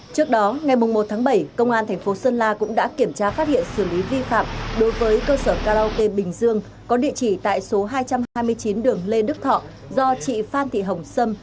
trước đó ngày một tháng bảy công an thành phố sơn la cũng đã kiểm tra phát hiện xử lý vi phạm đối với cơ sở karaoke bình dương có địa chỉ tại số hai trăm hai mươi chín đường lê đức thọ do chị phan thị hồng sâm